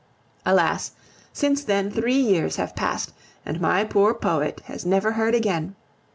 Alas! since then three years have passed, and my poor poet has never heard again.